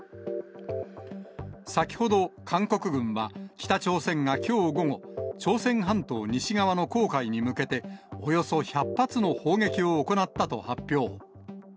先ほど、韓国軍は北朝鮮がきょう午後、朝鮮半島西側の黄海に向けて、およそ１００発の砲撃を行ったと発表。